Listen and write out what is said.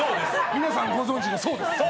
皆さんご存じの、そうです。